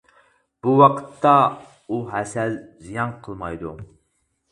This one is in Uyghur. بۇ ۋاقىتتا ئۇ ھەسەل زىيان قىلمايدۇ.